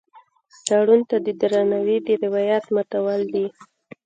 تړون ته د درناوي د روایت ماتول دي.